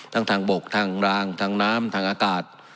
ทางทางบกทางรางทางน้ำทางอากาศ